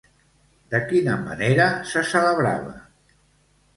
De quina manera se celebrava?